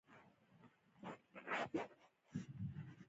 ګټونکی ټیم ټاکي، چي لومړی بېټينګ وکي که بال.